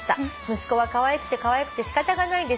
「息子はかわいくてかわいくてしかたがないです」